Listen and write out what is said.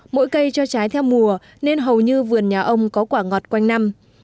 mỗi cây cho trái theo mùa nên hầu như vườn nhà ông có quả ngọt quanh năm